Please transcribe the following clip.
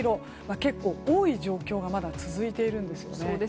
結構多い状況がまだ続いているんです。